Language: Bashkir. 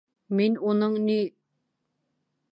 Мин уның ни